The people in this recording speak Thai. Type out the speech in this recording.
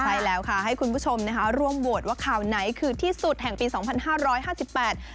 ใช่แล้วค่ะให้คุณผู้ชมนะคะร่วมโหวตว่าข่าวไหนคือที่สุดแห่งปีสองพันห้าร้อยห้าสิบแปด